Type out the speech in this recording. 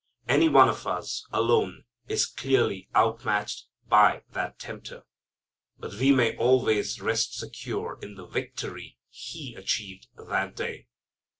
Any one of us, alone, is clearly out matched by that tempter. But we may always rest secure in the victory He achieved that day.